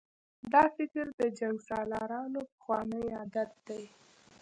دا فکر د جنګسالارانو پخوانی عادت دی.